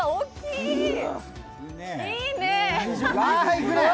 いいね！